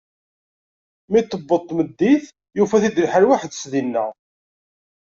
Mi d-tewweḍ tmeddit, yufa-t-id lḥal weḥd-s dinna.